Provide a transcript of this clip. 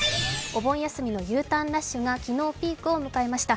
お盆休みのＵターンラッシュが昨日ピークを迎えました。